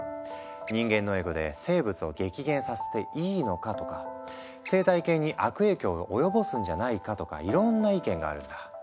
「人間のエゴで生物を激減させていいのか」とか「生態系に悪影響を及ぼすんじゃないか」とかいろんな意見があるんだ。